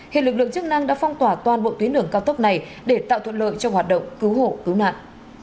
hiện lực lượng chức năng đã phong tỏa toàn bộ tuyến đường cao tốc này để tạo thuận lợi cho hoạt động cứu hộ cứu nạn